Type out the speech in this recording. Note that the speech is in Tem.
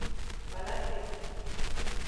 Baalasi.